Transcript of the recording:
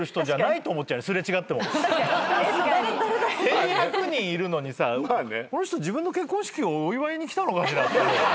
１，２００人いるのにさ「この人自分の結婚式をお祝いに来たのかしら？」